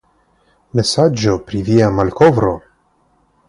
Mesaĝo pri via malkovro?